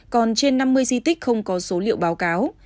còn trên năm mươi di tích không có số liệu báo cáo